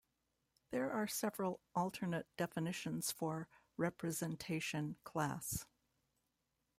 There are several alternate definitions for "representation class".